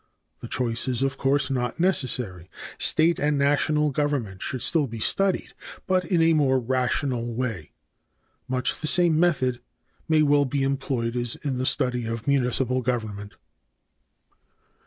The choice is of course not necessary. State and national government should still be studied, but in a more rational way. Much the same method may well be employed as in the study of municipal government.